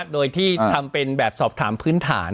โดยที่ทำเป็นแบบสอบถามพื้นฐาน